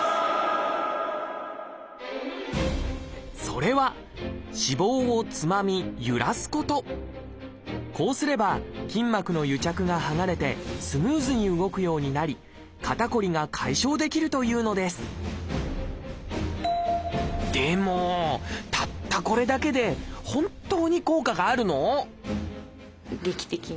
それはこうすれば筋膜の癒着が剥がれてスムーズに動くようになり肩こりが解消できるというのですでもたったこれだけで劇的に？